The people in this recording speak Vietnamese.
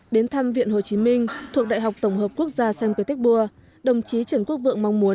đến thăm viện hồ chí minh thuộc đại học tổng hợp quốc gia sanh pétéc bùa đồng chí trần quốc vượng mong muốn